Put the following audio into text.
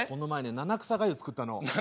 七草がゆ作ったの？